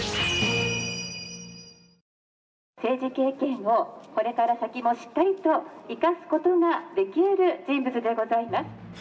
政治経験をこれから先もしっかりと生かすことができうる人物でございます。